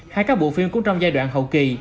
hay các bộ phim cũng trong giai đoạn hậu kỳ